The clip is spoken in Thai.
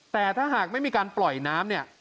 แต่ถ้าหากไม่มีการปล่อยน้ำเนี่ย